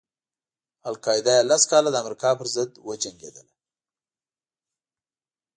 القاعده یې لس کاله د امریکا پر ضد وجنګېدله.